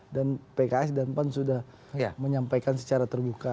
pks dan pan sudah menyampaikan secara terbuka